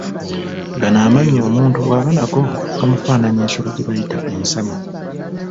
Gano amannyo omuntu bw’aba nago gamufaananya ensolo gye bayita ensama